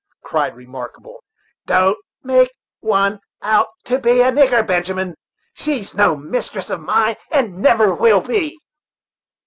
cried Remarkable; "don't make one out to be a nigger, Benjamin. She's no mistress of mine, and never will be.